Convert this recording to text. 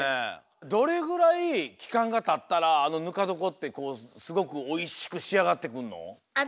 どれぐらいきかんがたったらあのぬかどこってこうすごくおいしくしあがってくんの？